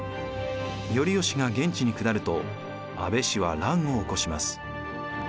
頼義が現地に下ると安倍氏は乱を起こします。